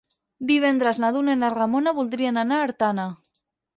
Divendres na Duna i na Ramona voldrien anar a Artana.